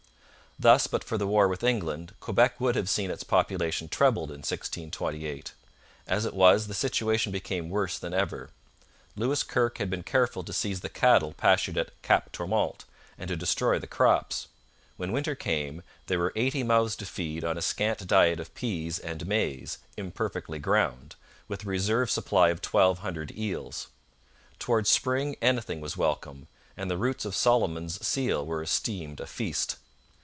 Thus, but for the war with England, Quebec would have seen its population trebled in 1628. As it was, the situation became worse than ever. Lewis Kirke had been careful to seize the cattle pastured at Cap Tourmente and to destroy the crops. When winter came, there were eighty mouths to feed on a scant diet of peas and maize, imperfectly ground, with a reserve supply of twelve hundred eels. Towards spring anything was welcome, and the roots of Solomon's seal were esteemed a feast.